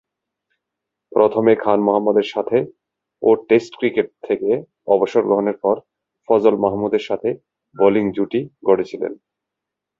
প্রথমে খান মোহাম্মদের সাথে ও টেস্ট ক্রিকেট থেকে অবসর গ্রহণের পর ফজল মাহমুদের সাথে বোলিং জুটি গড়েছিলেন।